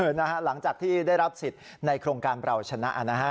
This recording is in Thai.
นะฮะหลังจากที่ได้รับสิทธิ์ในโครงการเปล่าชนะนะฮะ